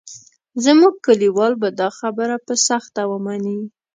زموږ کلیوال به دا خبره په سخته ومني.